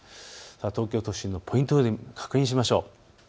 東京都心のポイント予報で確認しましょう。